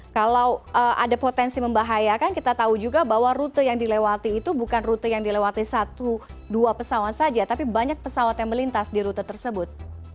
kalau ada potensi membahayakan kita tahu juga bahwa rute yang dilewati itu bukan rute yang dilewati satu dua pesawat saja tapi banyak pesawat yang melintas di rute tersebut